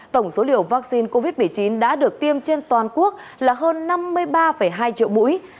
tổng số liều vaccine covid một mươi chín đã được tiêm trên toàn quốc là hơn năm mươi ba hai triệu mũi